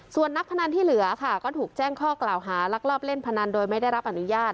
ส่วนนักพนันที่เหลือค่ะก็ถูกแจ้งข้อกล่าวหาลักลอบเล่นพนันโดยไม่ได้รับอนุญาต